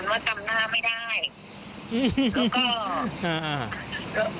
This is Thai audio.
แล้วก็คำขูมชื่ออะไรจำไม่ได้เลยค่ะรู้สึกว่าเขาจะไม่อยู่ด้วย